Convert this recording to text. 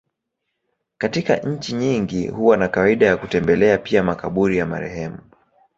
Katika nchi nyingi huwa na kawaida ya kutembelea pia makaburi ya marehemu.